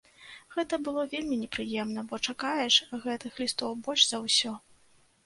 Гэта было вельмі непрыемна, бо чакаеш гэтых лістоў больш за ўсё.